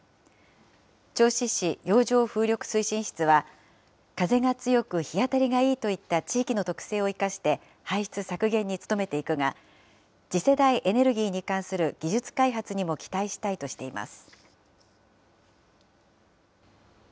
銚子市洋上風力推進室は、風が強く、日当たりがいいといった地域の特性を生かして、排出削減に努めていくが、次世代エネルギーに関する技術開発にも期待したいとしています。